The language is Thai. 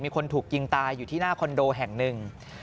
มีคนถูกยิงตายอยู่ที่หน้าคอนโดแห่งหนึ่ง